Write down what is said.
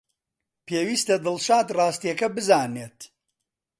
پێویستە دڵشاد ڕاستییەکە بزانێت.